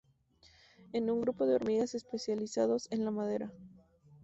Es un grupo de hormigas especializados en la madera.